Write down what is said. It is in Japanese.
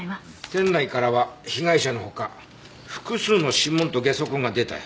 店内からは被害者の他複数の指紋とゲソ痕が出たよ。